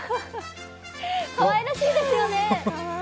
かわいらしいですよね。